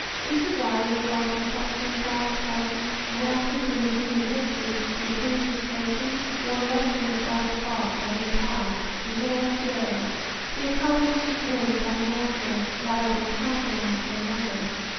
Is the value of our conception of God's presence and activity in human history deepened and strengthened or lessened by the thought that in the past, even as to day, he accomplished his ends by natural rather than contra natural methods?